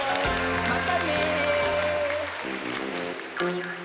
またね。